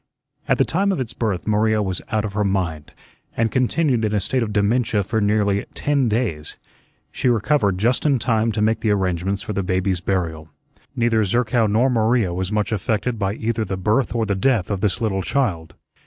At the time of its birth Maria was out of her mind, and continued in a state of dementia for nearly ten days. She recovered just in time to make the arrangements for the baby's burial. Neither Zerkow nor Maria was much affected by either the birth or the death of this little child.